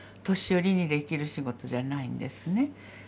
年寄りにできる仕事じゃないんですね。